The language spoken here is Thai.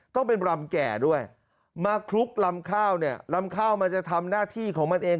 ต้องเป็นรำแก่ด้วยมาคลุกลำข้าวเนี่ยลำข้าวมันจะทำหน้าที่ของมันเอง